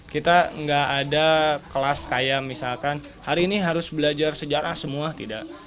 kita nggak ada kelas kayak misalkan hari ini harus belajar sejarah semua tidak